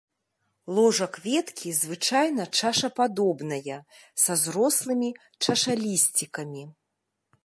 Ложа кветкі звычайна чашападобная, са зрослымі чашалісцікамі.